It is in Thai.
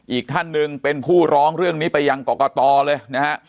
อีกท่านหนึ่งเป็นผู้ร้องเรื่องนี้ไปยังกรกตเลยนะฮะ